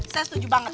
saya setuju banget